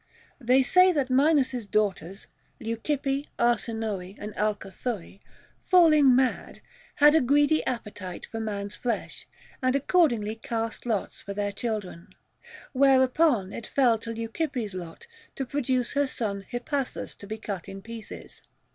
They say that Minos's daughters — Leu cippe, Arsinoe, and Alcathoe — falling mad, had a greedy appetite for man's flesh, and accordingly cast lots for their children. Whereupon it fell to Leucippe's lot to produce her son Hippasus to be cut in pieces.